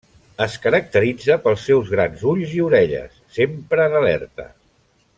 Es caracteritza pels seus grans ulls i orelles, sempre en alerta.